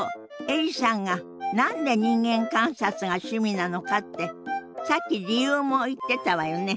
エリさんが何で人間観察が趣味なのかってさっき理由も言ってたわよね。